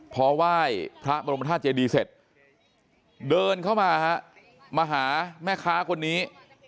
พอไหว้พระบรมธาตุเจดีเสร็จเดินเข้ามาฮะมาหาแม่ค้าคนนี้